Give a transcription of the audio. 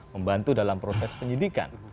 membantu dalam proses penyidikan